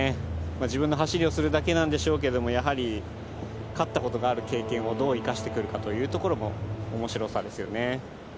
自分の走りをするだけなんでしょうけど、やはり勝ったことがある経験をどう生かしてくるかっていうところも面白さですね。